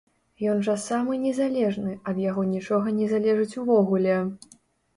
Ён жа самы незалежны, ад яго нічога не залежыць увогуле!